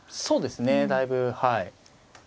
そうですねだいぶはい。